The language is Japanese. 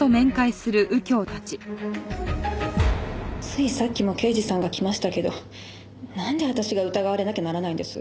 ついさっきも刑事さんが来ましたけどなんで私が疑われなきゃならないんです？